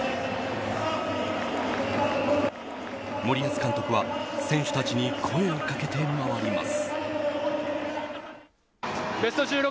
森保監督は選手たちに声をかけて回ります。